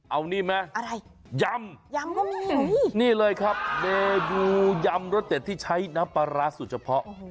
เอานี่ไหมอะไรยำยำก็มีนี่เลยครับเมนูยำรสเด็ดที่ใช้น้ำปลาร้าสุดเฉพาะ